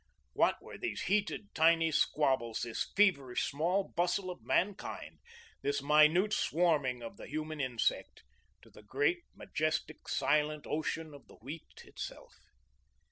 What were these heated, tiny squabbles, this feverish, small bustle of mankind, this minute swarming of the human insect, to the great, majestic, silent ocean of the Wheat itself!